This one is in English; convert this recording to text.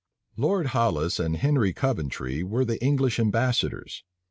Lord Hollis and Henry Coventry were the English ambassadors.